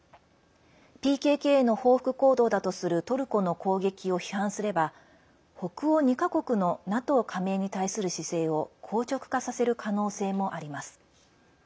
ＰＫＫへの報復行動だとするトルコの攻撃を批判すれば北欧２か国のＮＡＴＯ加盟に対する姿勢を硬直化させる可能性もあります。